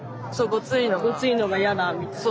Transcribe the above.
ゴツいのが嫌だみたいな？